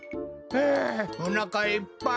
ふうおなかいっぱい！